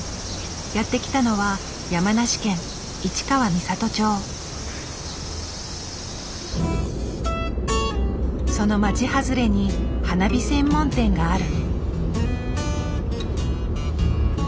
やって来たのはその町外れに花火専門店がある。